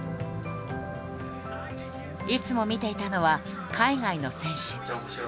いつも見ていたのは海外の選手。